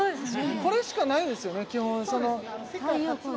これしかないですよね基本そうですね